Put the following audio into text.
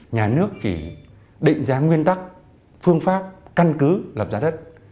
nhà nước chỉ định giá nguyên tắc phương pháp căn cứ lập giá đất